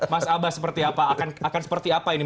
mas abbas seperti apa akan seperti apa ini